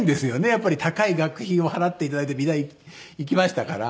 やっぱり高い学費を払っていただいて美大行きましたから。